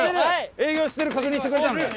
営業してる確認してくれたのね？